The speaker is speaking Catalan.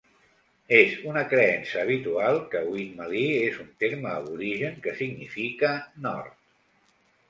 És una creença habitual que Winmalee és un terme aborigen que significa "nord".